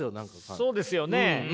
そうですよね。